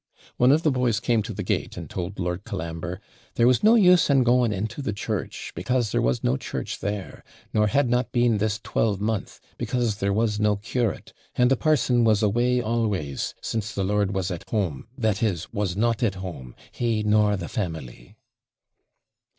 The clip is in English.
One of the boys came to the gate, and told Lord Colambre 'there was no use in going into the church, becaase there was no church there; nor had not been this twelvemonth; becaase there was no curate; and the parson was away always, since the lord was at home that is, was not at home he nor the family.'